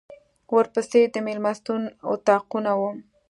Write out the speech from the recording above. ورپسې د مېلمستون اطاقونه و.